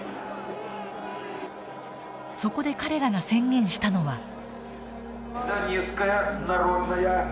そこで彼らが宣言したのは。